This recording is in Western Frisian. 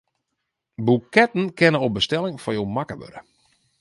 Boeketten kinne op bestelling foar jo makke wurde.